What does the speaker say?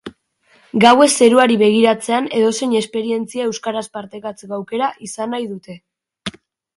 Gauez zeruari begiratzean edozein esperientzia euskaraz partekatzeko aukera izan nahi dute.